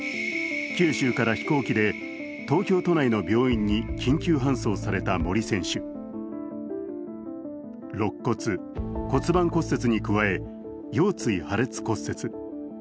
九州から飛行機で東京都内の病院に緊急搬送された森選手、ろっ骨・骨盤骨折に加え、腰椎破裂骨折。